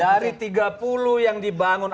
dari tiga puluh yang dibangun